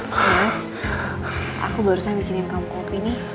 terus aku barusan bikinin kamu kopi nih